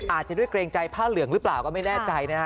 อาจจะด้วยเกรงใจผ้าเหลืองหรือเปล่าก็ไม่แน่ใจนะฮะ